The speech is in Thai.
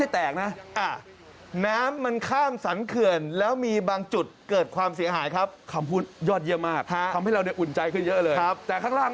แต่ในจริงนี้ถ้าก็อยู่อย่าง